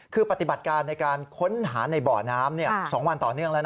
คือปฏิบัติการในการค้นหาในบ่อน้ำ๒วันต่อเนื่องแล้วนะ